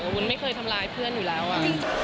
วุ้นไม่เคยทำร้ายเพื่อนอยู่แล้ว